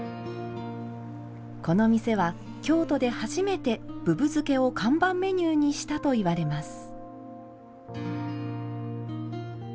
この店は、京都で初めてぶぶ漬けを看板メニューにしたと言われます。